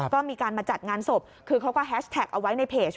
ก็มีการมาจัดงานศพคือเขาก็แฮชแท็กเอาไว้ในเพจ